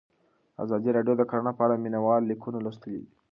ازادي راډیو د کرهنه په اړه د مینه والو لیکونه لوستي.